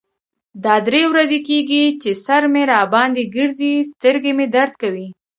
دا درې ورځې کیږی چې سر مې را باندې ګرځی. سترګې مې درد کوی.